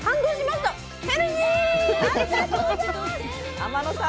天野さん。